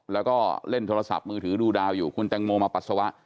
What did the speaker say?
แล้วก็เล่นโทรศัพท์มือถือดูดาวอยู่คุณแตงโมมาปัสสาวะ